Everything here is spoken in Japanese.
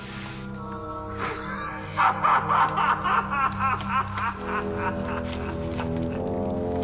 ハハハハハ。